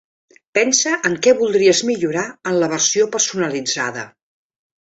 Pensa en què voldries millorar en la versió personalitzada.